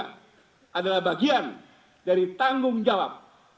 kita adalah bagian dari tanggung jawab